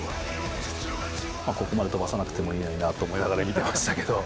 ここまで飛ばさなくてもいいのになと思いながら見てましたけど。